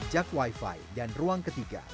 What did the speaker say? jak wifi dan ruang ketiga